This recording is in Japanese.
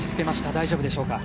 大丈夫でしょうか？